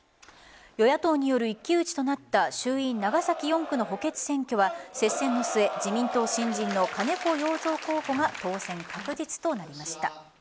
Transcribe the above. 与野党による一騎打ちとなった衆院長崎４区の補欠選挙は接戦の末自民党新人の金子容三候補が当選確実となりました。